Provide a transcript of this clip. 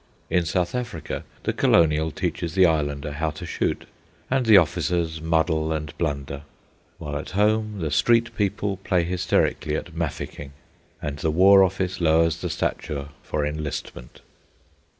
In South Africa the colonial teaches the islander how to shoot, and the officers muddle and blunder; while at home the street people play hysterically at mafficking, and the War Office lowers the stature for enlistment.